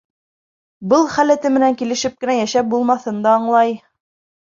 Был халәте менән килешеп кенә йәшәп булмаҫын да аңлай.